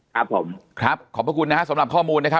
ครับผมครับขอบพระคุณนะฮะสำหรับข้อมูลนะครับ